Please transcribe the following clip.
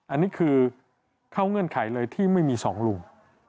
อันนี้คือเข้าเงื่อนไขเลยที่ไม่มีสองลุง